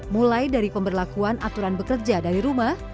mulai dari pemberlakuan aturan bekerja dari rumah